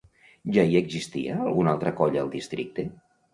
Ja hi existia alguna altra colla al districte?